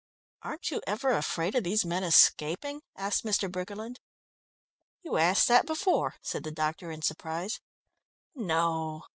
"Aren't you ever afraid of these men escaping?" asked Mr. Briggerland. "You asked that before," said the doctor in surprise. "No.